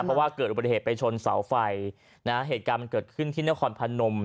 เพราะว่าเกิดอุบัติเหตุไปชนเสาไฟนะฮะเหตุการณ์มันเกิดขึ้นที่นครพนม